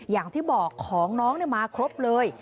อย่างที่บอกของน้องมาครบเลย